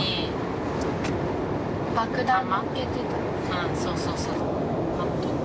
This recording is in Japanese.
うんそうそうそう。